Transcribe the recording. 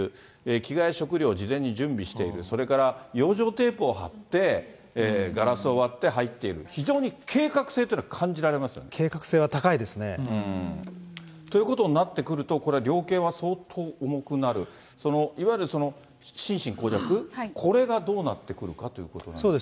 着替え、食料、事前に準備している、それから養生テープを貼ってガラスを割って入っている、非常に計画性というのは感じられますよね。ということになってくると、これ、量刑は相当重くなる、いわゆる心神耗弱、これがどうなってくるかということなんですが。